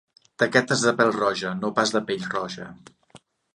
Taquetes de pèl-roja, no pas de pell-roja.